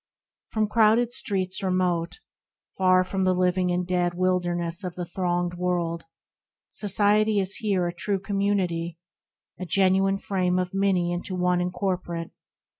From crowded streets remote, Far from the living and dead Wilderness Of the thronged world, Society is here THE RECLUSE 41 A true community — a genuine frame Of many into one incorporate.